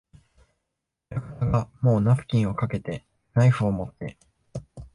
親方がもうナフキンをかけて、ナイフをもって、